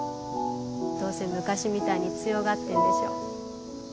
どうせ昔みたいに強がってんでしょ。